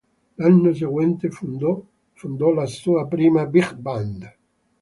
L'anno seguente fondò la sua prima big band.